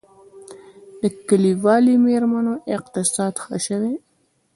د کلیوالي میرمنو اقتصاد ښه شوی؟